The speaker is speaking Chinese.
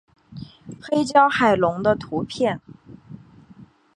黑胶海龙的图片